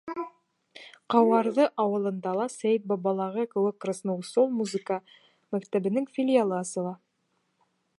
Ҡауарҙы ауылында ла Сәйетбабалағы кеүек Красноусол музыка мәктәбенең филиалы асыла.